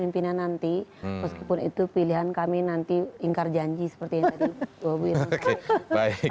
seperti siapapun pemimpinnya nanti meskipun itu pilihan kami nanti ingkar janji seperti yang tadi bu ibu bilang